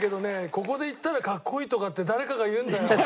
「ここでいったらかっこいい」とかって誰かが言うんだよ。